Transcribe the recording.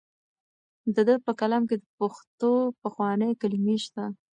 د ده په کلام کې د پښتو پخوانۍ کلمې شته.